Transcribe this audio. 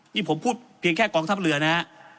นี่ผมพูดเพียงแค่กองทัพเรือนะฮะ